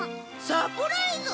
サプライズ？